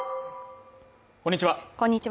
こんにちは